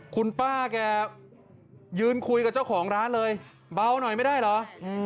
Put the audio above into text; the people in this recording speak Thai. คุณป้าแกยืนคุยกับเจ้าของร้านเลยเบาหน่อยไม่ได้เหรอ